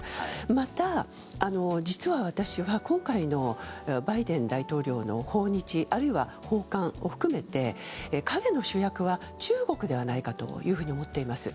また、実は私は今回のバイデン大統領の訪日あるいは訪韓を含めて陰の主役は中国ではないかというふうに思っています。